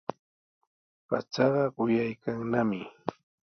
Pachaqa quyaykannami.